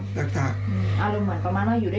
อยู่แลกันอย่างนี้ตลอด